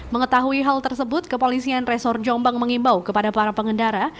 mengetahui hal tersebut kepolisian resor jombang mengimbau kepada para pengendara